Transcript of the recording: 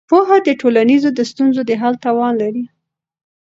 پوهه د ټولنیزو ستونزو د حل توان لري.